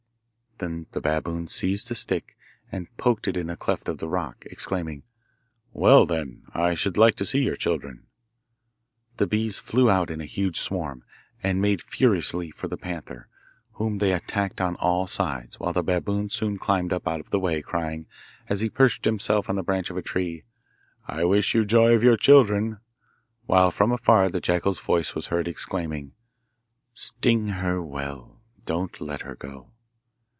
Then the baboon seized a stick, and poked it in the cleft of the rock, exclaiming, 'Well, then, I should like to see your children!' The bees flew out in a huge swarm, and made furiously for the panther, whom they attacked on all sides, while the baboon soon climbed up out of the way, crying, as he perched himself on the branch of a tree, 'I wish you joy of your children!' while from afar the jackal's voice was heard exclaiming: 'Sting, her well! don't let her go!